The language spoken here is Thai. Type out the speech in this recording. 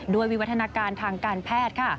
วิวัฒนาการทางการแพทย์ค่ะ